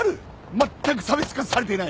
まったく差別化されていない。